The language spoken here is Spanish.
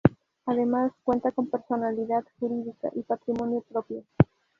Además cuenta con personalidad jurídica y patrimonio propio.